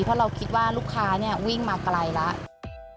เพราะเราคิดว่าลูกค้าวิ่งมาไกลแล้ว